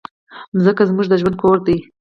مځکه زموږ د ژوند کور ده.